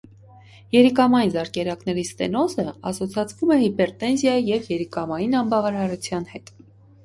Երիկամային զարկերակների ստենոզը ասոցացվում է հիպերտենզիայի և երիկամային անբավարարության հետ։